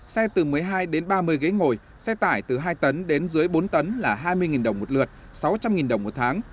xe từ một mươi hai đến ba mươi ghế ngồi xe tải từ hai tấn đến dưới bốn tấn là hai mươi đồng một lượt sáu trăm linh đồng một tháng